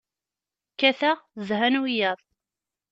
Kkateɣ, zhan wiyaḍ.